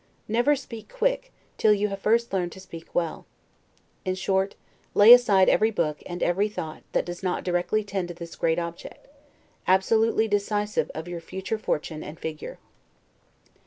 Never speak quick, till you have first learned to speak well. In short, lay aside every book, and every thought, that does not directly tend to this great object, absolutely decisive of your future fortune and figure.